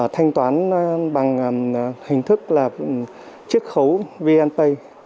thanh toán bằng hình thức là chiếc khấu vnp